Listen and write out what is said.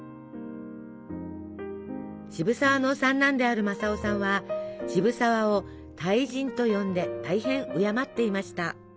渋沢の三男である正雄さんは渋沢を大人と呼んで大変敬っていました。